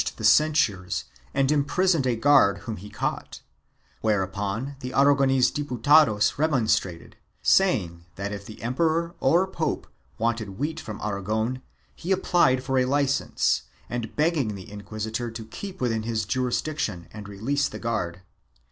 25 386 PRIVILEGES AND EXEMPTIONS [BOOK II the censures and imprisoned a guard whom he caught, where upon the Aragonese Diputados remonstrated, saying that if the emperor or pope wanted wheat "from Aragon he applied for a licence, and begging the inquisitor to keep within his juris diction and release the guard.